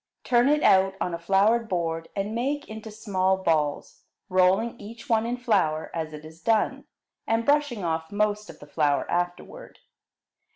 Turn it out on a floured board, and make into small balls, rolling each one in flour as it is done, and brushing off most of the flour afterward.